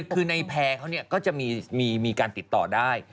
คือในแพร่เขาก็จะมีการติดต่อได้